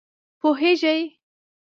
پوهېږې!